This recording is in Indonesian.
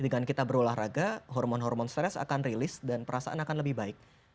karena ketika kita berolahraga hormon hormon stres akan rilis dan perasaan akan lebih baik